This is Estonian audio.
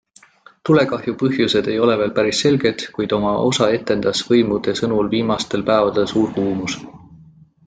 Tulekahju põhjused ei ole veel päris selged, kuid oma osa etendas võimude sõnul viimastel päevade suur kuumus.